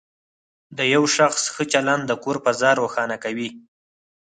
د یو شخص ښه چلند د کور فضا روښانه کوي.